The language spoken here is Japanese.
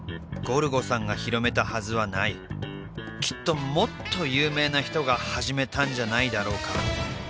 ゴルゴさんが広めたはずはないきっともっと有名な人が始めたんじゃないだろうか